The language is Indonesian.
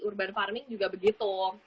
urban farming juga begitu